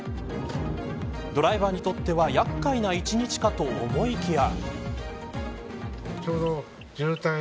ドライバーにとっては厄介な１日かと思いきや。